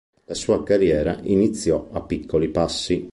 La sua carriera iniziò a piccoli passi.